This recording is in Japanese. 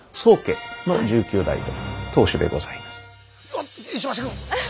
おっ石橋君！